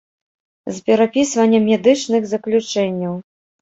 З перапісваннем медычных заключэнняў.